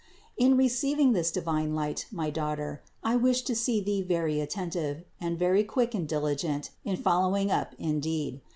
199. In receiving this divine light, my daughter, I wish to see thee very attentive, and very quick and dili gent in following it up in deed.